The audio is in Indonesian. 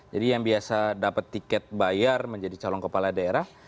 jadi yang biasa dapat tiket bayar menjadi calon kepala daerah